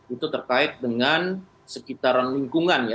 itu terkait dengan sekitaran lingkungan ya